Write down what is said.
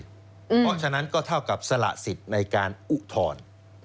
เพราะฉะนั้นก็เท่ากับสละสิทธิ์ในการอุทธรณ์